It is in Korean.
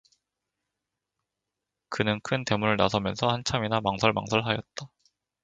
그는 큰대문을 나서면서 한참이나 망설망설 하였다.